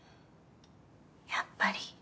やっぱり。